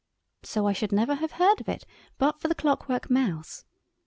So I should never have heard of it but for the clockwork mouse.